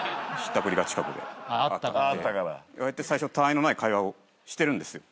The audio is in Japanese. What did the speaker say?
最初たわいのない会話をしてるんですよ。